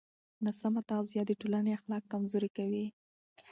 ناسمه تغذیه د ټولنې اخلاق کمزوري کوي.